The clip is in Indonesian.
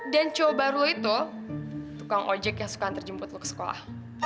dan cowok baru lo itu tukang ojek yang suka ntarjemput lo ke sekolah